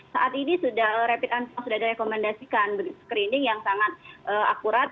saat ini sudah rapid unpaw sudah direkomendasikan screening yang sangat akurat